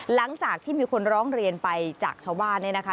หลังจากที่มีคนร้องเรียนไปจากชาวบ้านเนี่ยนะคะ